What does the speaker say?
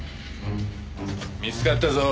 見つかったぞ。